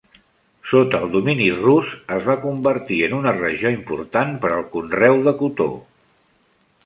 Sota el domini rus, es va convertir en una regió important per al conreu de cotó.